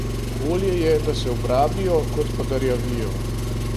Bolje je, da se obrabijo, kot pa da rjavijo.